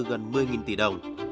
gần một mươi tỷ đồng